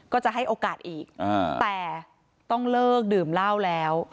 ก็จะให้โอกาสอีกแต่ต้องเลิกดื่มเหล้าแล้ว